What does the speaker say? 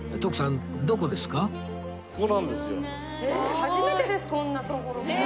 初めてですこんな所。ねえ。